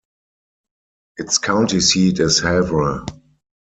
Its county seat is Havre.